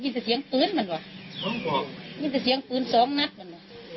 ยินจะเสียงปืนมันว่ะยินจะเสียงปืนสองนัดมันว่ะ